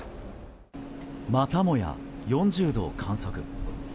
またもや４０度を観測。